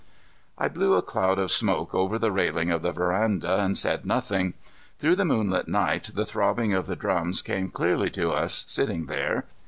I blew a cloud of smoke over the railing of the veranda and said nothing. Through the moonlit night the throbbing of the drums came clearly to us sitting there.